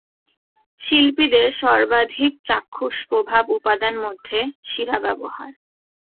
শিল্পীদের সর্বাধিক চাক্ষুষ প্রভাব উপাদান মধ্যে শিরা ব্যবহার।